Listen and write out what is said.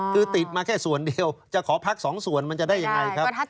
คือติดมาแค่ส่วนเดียวจะขอพักสองส่วนมันจะได้ยังไงครับ